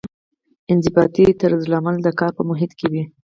انضباطي طرزالعمل د کار په محیط کې وي.